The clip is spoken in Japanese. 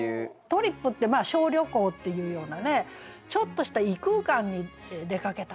「トリップ」って小旅行っていうようなねちょっとした異空間に出かけたという感じがね。